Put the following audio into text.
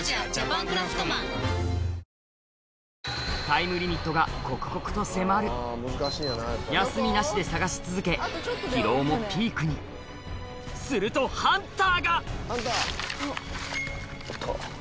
タイムリミットが刻々と迫る休みなしで探し続け疲労もピークにするとハンターが！